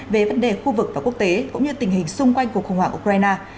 về vấn đề khu vực và quốc tế cũng như tình hình xung quanh cuộc khủng hoảng ukraine